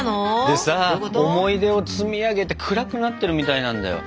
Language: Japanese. でさ思い出を積み上げて暗くなってるみたいなんだよ。